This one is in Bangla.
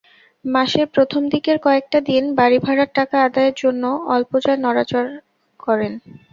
মাসের প্রথম দিকের কয়েকটা দিন বাড়িভাড়ার টাকা আদায়ের জন্যে অল্প যা নড়াচড় করেন।